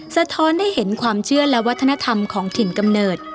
สะท้อนให้เห็นความเชื่อและวัฒนธรรมของถิ่นกำเนิด